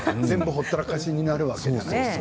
全部ほったらかしになるよね。